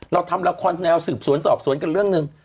เราทำละครใที่เราสืบสวนสอบสวนกันเรื่องนึง